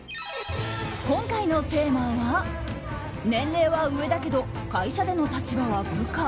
今回のテーマは年齢は上だけど会社での立場は部下。